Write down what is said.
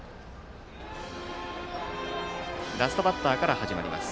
ラストバッターから始まります。